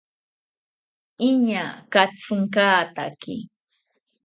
Iñaa katsinkataki